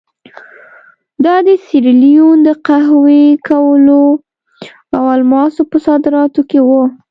دا د سیریلیون د قهوې، کوکو او الماسو په صادراتو کې وو.